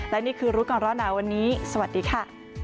และนี่คือรู้ก่อนร้อนหนาวันนี้สวัสดีค่ะ